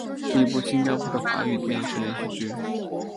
是一部新加坡的的华语电视连续剧。